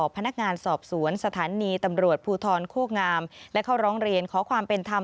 พนักงานสอบสวนสถานีตำรวจภูทรโคกงามและเข้าร้องเรียนขอความเป็นธรรม